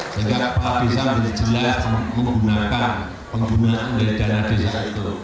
sehingga kepala desa lebih jelas menggunakan penggunaan dari dana desa itu